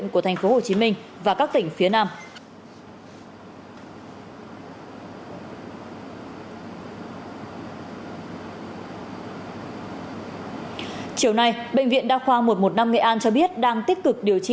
chiều nay bệnh viện đa khoa một trăm một mươi năm nghệ an cho biết đang tích cực điều trị